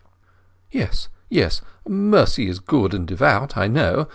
"Yes, yes; Mercy is good and devout, I know.